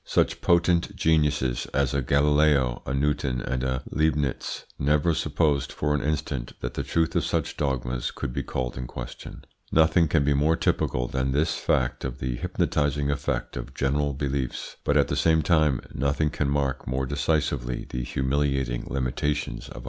Such potent geniuses as a Galileo, a Newton, and a Leibnitz never supposed for an instant that the truth of such dogmas could be called in question. Nothing can be more typical than this fact of the hypnotising effect of general beliefs, but at the same time nothing can mark more decisively the humiliating limitations of our intelligence.